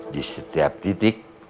di setiap titik